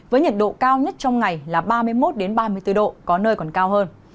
với nhiệt độ cao nhất trong ngày là ba mươi một ba mươi bốn độ có nơi còn cao hơn